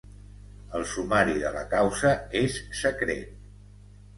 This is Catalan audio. El sumari de la causa és secret.